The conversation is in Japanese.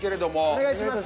お願いします。